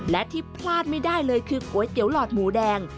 และที่พลาดไม่ได้เลยคือก๋วยเตี๋ยวหลอดหมูแดง